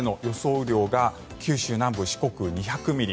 雨量が九州南部、四国、２００ミリ。